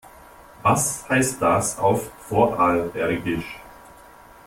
Was heißt das auf Vorarlbergisch?